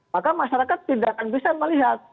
maka masyarakat tidak akan bisa melihat